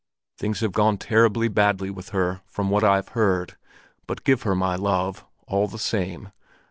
Things have gone terribly badly with her, from what I've heard; but give her my love, all the same.